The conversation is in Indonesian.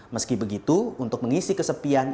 meski begitu untuk mengisi kesepian